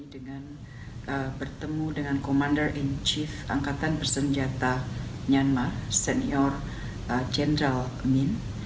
dengan bertemu dengan komander in chief angkatan bersenjata myanmar senior general min